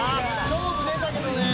勝負出たけどね。